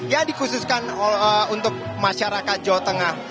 ya dikhususkan untuk masyarakat jawa tengah